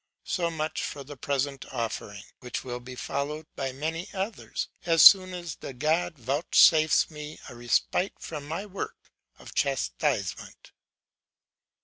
So much for the present offering, which will be followed by many others, so soon as the God vouchsafes me a respite from my work of chastisement.'